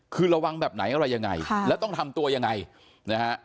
คือระวังแบบไหนอะไรยังไงแล้วต้องทำตัวยังไงนะฮะ